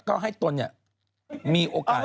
ก็ให้ตนมีโอกาส